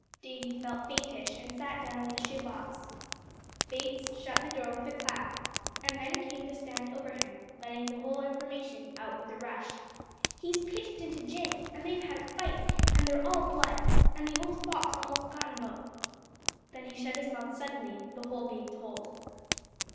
Davie felt faintish, and sat down on the shoe box. Bates shut the door with a clap, and then came to stand over him, letting the whole information out with a rush. "He's pitched into Jenk and they've had a fight and they're all blood and the old Fox almost got 'em both." Then he shut his mouth suddenly, the whole being told.